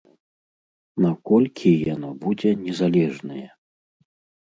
Наколькі яно будзе незалежнае?